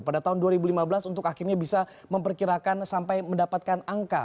pada tahun dua ribu lima belas untuk akhirnya bisa memperkirakan sampai mendapatkan angka